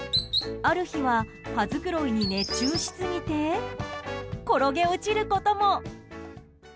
ある日は、羽繕いに熱中しすぎて転げ落ちることも。